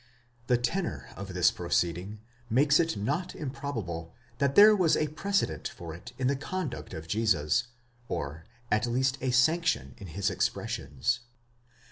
The tenor of this proceeding makes it not improbable that there was a precedent for it in the conduct of Jesus, or at least a sanction in his expressions.